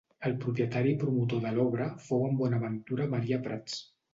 El propietari i promotor de l'obra fou en Bonaventura Maria Prats.